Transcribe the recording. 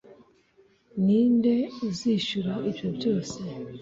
ninde uzishyura ibyo byose?